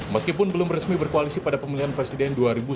meskipun belum resmi berkoalisi pada pemilihan presiden dua ribu sembilan belas